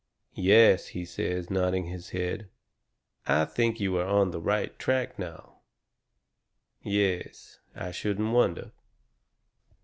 "Yes," he says, nodding his head. "I think you are on the right track now. Yes I shouldn't wonder."